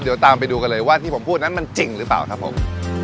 เดี๋ยวตามไปดูกันเลยว่าที่ผมพูดนั้นมันจริงหรือเปล่าครับผม